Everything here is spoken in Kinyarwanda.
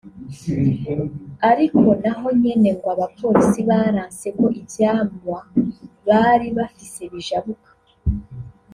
ariko na ho nyene ngo abapolisi baranse ko ivyamwa bari bafise bijabuka